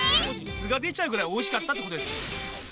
素が出ちゃうぐらいおいしかったってことです。